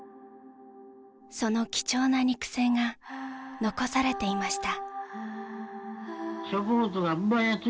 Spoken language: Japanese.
その貴重な肉声が残されていました